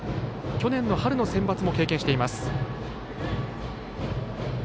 去年の春のセンバツも経験しています。